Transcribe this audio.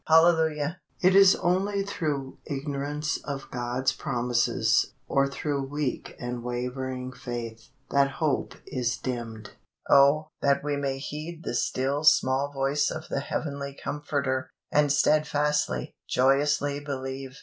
Hallelujah! It is only through ignorance of God's promises, or through weak and wavering faith, that hope is dimmed. Oh, that we may heed the still small voice of the Heavenly Comforter, and steadfastly, joyously believe!